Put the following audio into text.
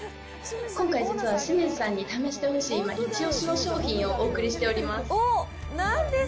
今回、実は清水さんに試してほしい一押しの商品をお送りしております。